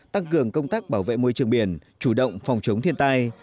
tăng cường công tác bảo vệ môi trường biển chủ động phòng chống thiên tai